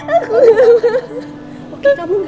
aku gak mau